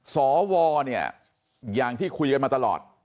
สวเนี่ยอย่างที่คุยกันมาตลอด